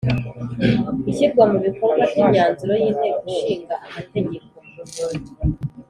Ishyirwa mu bikorwa ryimyanzuro yinteko Ishinga Amategeko